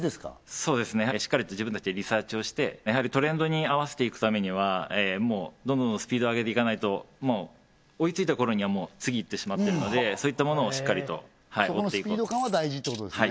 そうですねやはりしっかりと自分たちでリサーチをしてやはりトレンドに合わせていくためにはもうどんどんどんどんスピードを上げていかないと追いついたころにはもう次いってしまってるのでそういったものをしっかりと追っていこうとそこのスピード感は大事ってことですね